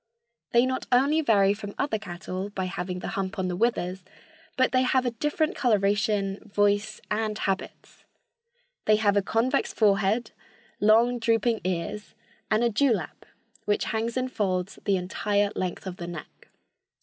They not only vary from other cattle by having the hump on the withers, but they have a different coloration, voice and habits. They have a convex forehead, long, drooping ears and a dew lap, which hangs in folds the entire length of the neck.